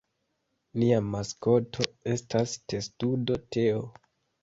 Nia maskoto estas testudo Teo.